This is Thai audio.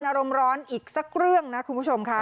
อารมณ์ร้อนอีกสักเรื่องนะคุณผู้ชมค่ะ